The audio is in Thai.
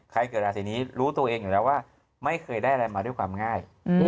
เกิดราศีนี้รู้ตัวเองอยู่แล้วว่าไม่เคยได้อะไรมาด้วยความง่าย